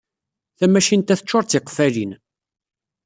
Tamacint-a teččur d tiqeffalin.